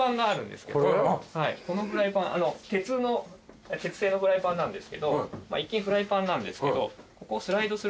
このフライパン鉄製のフライパンなんですけど一見フライパンなんですけどここを。